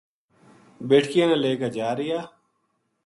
بیٹکیاں نا لے کے جا رہیا